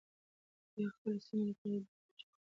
دوی د خپلې سيمې لپاره دروغ جوړ کړل.